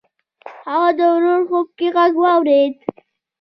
هغه د ورور خوب کې غږ واورېد.